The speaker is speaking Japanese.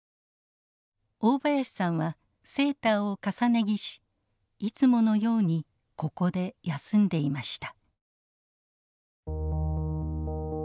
大林さんはセーターを重ね着しいつものようにここで休んでいました。